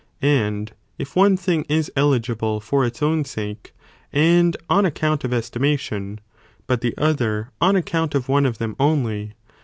Am if one thing is eligible for its own sake, and on account of estimation, but the other on account of one of them only.